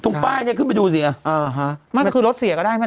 ป้ายเนี่ยขึ้นไปดูสิอ่าฮะไม่แต่คือรถเสียก็ได้แม่